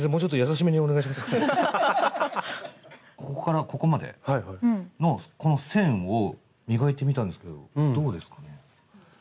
なんか多分ここからここまでのこの線を磨いてみたんですけどどうですかね？